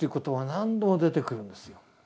何度も出てくるんですよ。